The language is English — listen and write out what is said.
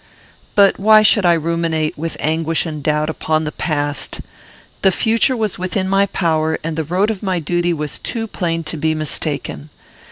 But why should I ruminate, with anguish and doubt, upon the past? The future was within my power, and the road of my duty was too plain to be mistaken.